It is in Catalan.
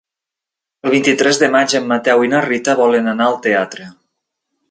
El vint-i-tres de maig en Mateu i na Rita volen anar al teatre.